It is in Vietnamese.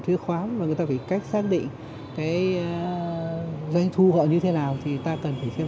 thuế khoáng và người ta phải cách xác định cái doanh thu họ như thế nào thì chúng ta sẽ phải đối tượng